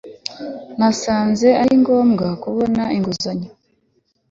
nasanze ari ngombwa kubona inguzanyo